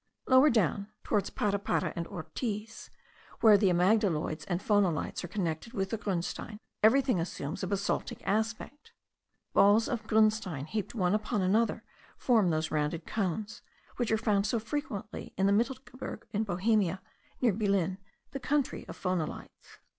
Lower down, towards Parapara and Ortiz, where the amygdaloids and phonolites are connected with the grunstein, everything assumes a basaltic aspect. Balls of grunstein heaped one upon another, form those rounded cones, which are found so frequently in the Mittelgebirge in Bohemia, near Bilin, the country of phonolites.